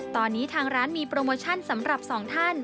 ตอนนี้ทางร้านมีโปรโมชั่นสำหรับสองท่าน